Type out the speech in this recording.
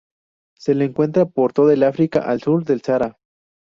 Se lo encuentra por todo el África al sur del Sahara.